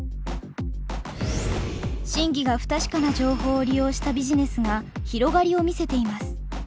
真偽が不確かな情報を利用したビジネスが広がりを見せています。